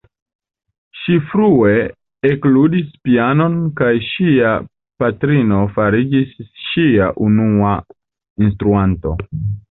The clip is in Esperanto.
Ŝi frue ekludis pianon kaj ŝia patrino fariĝis ŝia unua instruanto.